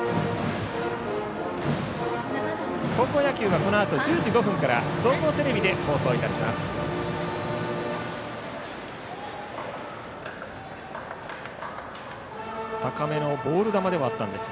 高校野球はこのあと１０時５分から総合テレビで放送いたします。